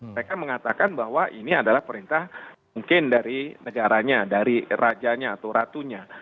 mereka mengatakan bahwa ini adalah perintah mungkin dari negaranya dari rajanya atau ratunya